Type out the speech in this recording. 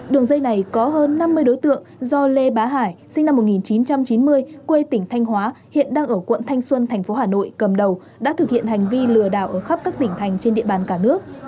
đường dây này có hơn năm mươi đối tượng do lê bá hải sinh năm một nghìn chín trăm chín mươi quê tỉnh thanh hóa hiện đang ở quận thanh xuân tp hà nội cầm đầu đã thực hiện hành vi lừa đảo ở khắp các tỉnh thành trên địa bàn cả nước